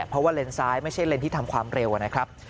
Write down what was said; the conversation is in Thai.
เพราะว่าเลนซ้ายไม่ใช่เลนที่ทำความเร็วนะครับ